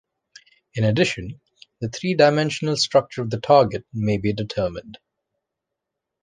In addition, the three-dimensional structure of the target may be determined.